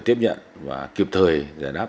tiếp nhận và kịp thời giải đáp